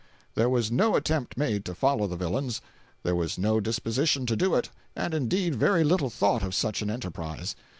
There was no attempt made to follow the villains; there was no disposition to do it, and indeed very little thought of such an enterprise.